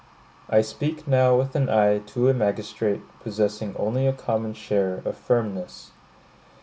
I speak now with an eye to a magistrate possessing only a common share of firmness.